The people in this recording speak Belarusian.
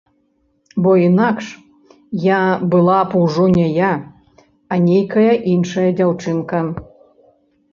Бо інакш я была б ўжо не я, а нейкая іншая дзяўчынка.